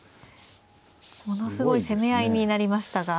ものすごい攻め合いになりましたが。